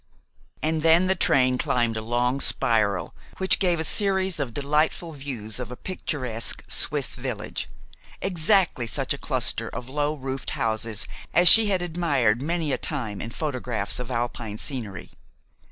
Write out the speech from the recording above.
And then the train climbed a long spiral which gave a series of delightful views of a picturesque Swiss village, exactly such a cluster of low roofed houses as she had admired many a time in photographs of Alpine scenery.